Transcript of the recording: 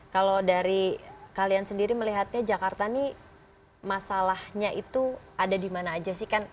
kalau dari kalian sendiri melihatnya jakarta ini masalahnya itu ada di mana aja sih kan